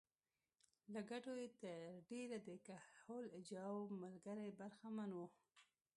له ګټو یې تر ډېره د کهول اجاو ملګري برخمن وو.